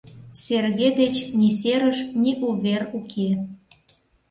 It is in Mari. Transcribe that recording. Серге деч ни серыш, ни увер уке.